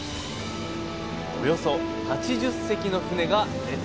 およそ８０隻の船が出て行く